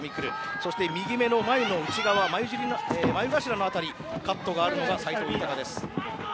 そして右目の内側眉頭の辺りにカットがあるのが斎藤裕です。